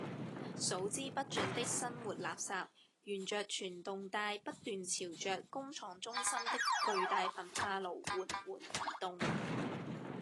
數之不盡的生活垃圾沿著傳動帶不斷朝著工廠中心的巨大焚化爐緩緩移動